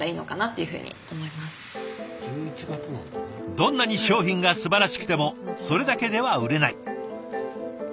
どんなに商品がすばらしくてもそれだけでは売れない。